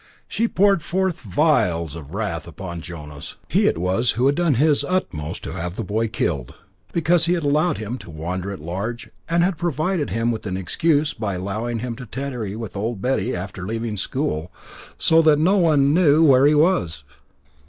She poured forth the vials of her wrath upon Jonas. He it was who had done his utmost to have the boy killed, because he had allowed him to wander at large, and had provided him with an excuse by allowing him to tarry with Old Betty after leaving school, so that no one knew where he was.